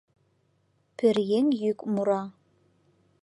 Пӧръеҥ йӱк мура: